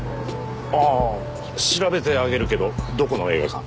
ああ調べてあげるけどどこの映画館？